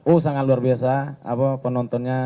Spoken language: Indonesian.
oh sangat luar biasa penontonnya